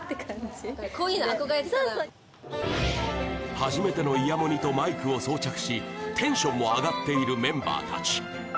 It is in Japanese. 初めてのイヤモニとマイクを装着しテンションも上がっているメンバーたち